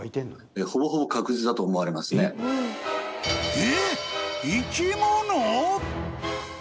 ［え？］